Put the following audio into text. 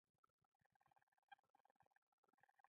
احمد په ویزه باندې ډېر کسان عربستان ته پورې ایستل.